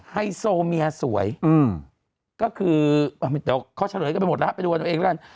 ไฮโซเมียสวยอืมก็คือเขาเฉลยกันหมดแล้วไปดูว่าเองแล้ว